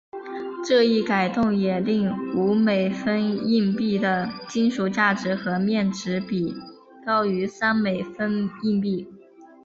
这一改动也令五美分硬币的金属价值和面值比高于三美分硬币。